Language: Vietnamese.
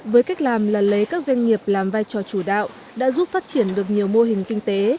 với cách làm là lấy các doanh nghiệp làm vai trò chủ đạo đã giúp phát triển được nhiều mô hình kinh tế